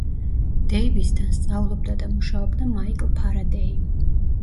დეივისთან სწავლობდა და მუშაობდა მაიკლ ფარადეი.